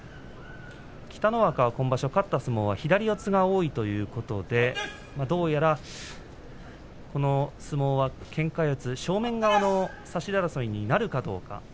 北の若は今場所、勝った相撲は左四つが多いということでどうやら、この相撲はけんか四つ正面側の差し手争いになるかどうか。